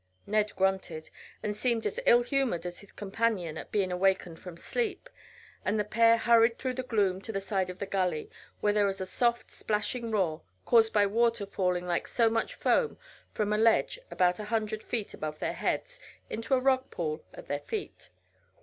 Ned grunted and seemed as ill humoured as his companion at being awakened from sleep, and the pair hurried through the gloom to the side of the gully, where there was a soft, splashing roar caused by water falling like so much foam from a ledge about a hundred feet above their heads into a rock pool at their feet.